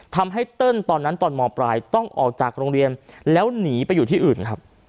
เติ้ลตอนนั้นตอนมปลายต้องออกจากโรงเรียนแล้วหนีไปอยู่ที่อื่นครับ